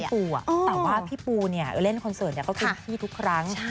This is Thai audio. แต่ว่าพี่ปูเนี่ยเล่นคอนเสิร์ตเนี่ยก็กินพี่ทุกครั้ง